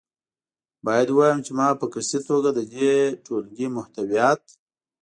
باید ووایم چې ما په قصدي توګه د دې ټولګې محتویات.